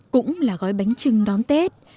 cũng là gói bánh trưng đón tết